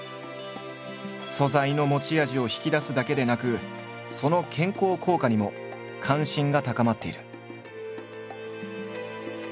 素材の持ち味を引き出すだけでなくその健康効果にも関心が高まっている。